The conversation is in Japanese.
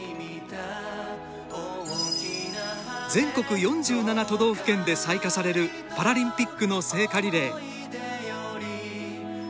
全国４７都道府県で採火されるパラリンピックの聖火リレー。